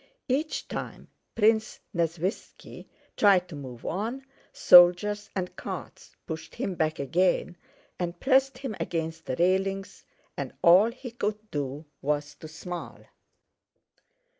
Each time Prince Nesvítski tried to move on, soldiers and carts pushed him back again and pressed him against the railings, and all he could do was to smile.